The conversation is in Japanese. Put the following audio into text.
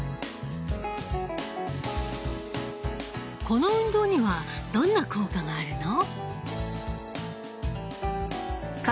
この運動にはどんな効果があるの？